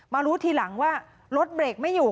รู้ทีหลังว่ารถเบรกไม่อยู่